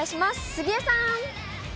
杉江さん。